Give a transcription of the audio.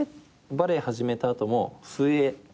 バレー始めた後も水泳。